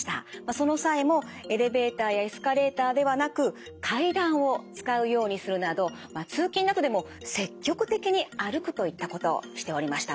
その際もエレベーターやエスカレーターではなく階段を使うようにするなど通勤などでも積極的に歩くといったことをしておりました。